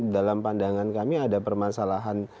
dalam pandangan kami ada permasalahan